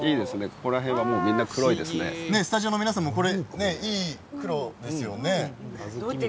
スタジオの皆さんいい黒ですよね。